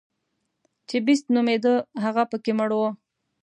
چې بېسټ نومېده هغه پکې مړ و.